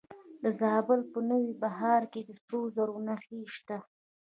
د زابل په نوبهار کې د سرو زرو نښې شته.